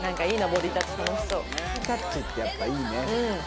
ボディタッチってやっぱいいね。